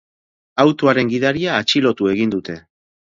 Autoaren gidaria atxilotu egin dute.